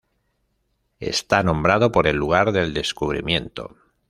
Está nombrado por el lugar del descubrimiento.